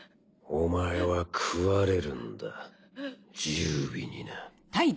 お前は食われるんだ十尾にな。